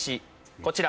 こちら。